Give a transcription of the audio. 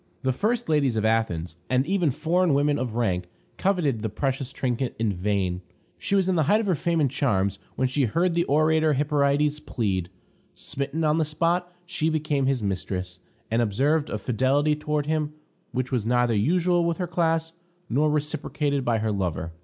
The first ladies of Athens, and even foreign women of rank, coveted the precious trinket in vain. She was in the height of her fame and charms when she heard the orator Hyperides plead. Smitten on the spot, she became his mistress, and observed a fidelity toward him which was neither usual with her class, nor reciprocated by her lover.